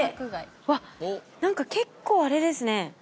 うわ何か結構あれですね